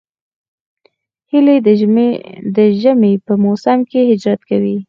هیلۍ د ژمي په موسم کې هجرت کوي